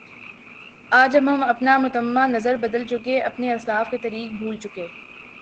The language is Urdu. آج جب ہم اپنا مطمع نظر بدل چکے اپنے اسلاف کے طریق بھول چکے